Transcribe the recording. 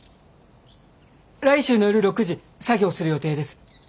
来週の夜６時作業する予定です。